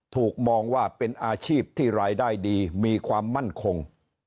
ถูกมองว่าเป็นอาชีพที่รายได้ดีมีความมั่นคง